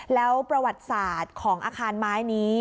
แล้วประวัติศาสตร์ของอาคารไม้นี้